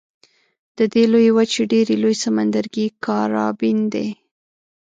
د دې لویې وچې ډېر لوی سمندرګی کارابین دی.